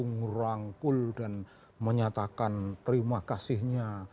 merangkul dan menyatakan terima kasihnya